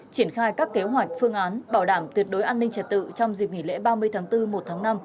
triển khai các kế hoạch phương án bảo đảm tuyệt đối an ninh trật tự trong dịp nghỉ lễ ba mươi tháng bốn một tháng năm